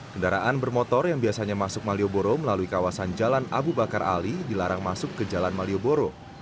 kendaraan bermotor yang biasanya masuk malioboro melalui kawasan jalan abu bakar ali dilarang masuk ke jalan malioboro